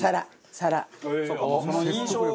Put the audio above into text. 皿。